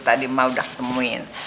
tadi emak udah temuin